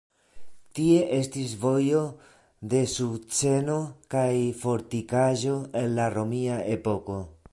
Tie estis Vojo de Sukceno kaj fortikaĵo el la romia epoko.